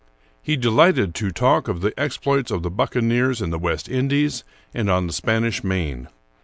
He delighted to talk of the exploits of the buccaneers in the West Indies and on the Spanish Main.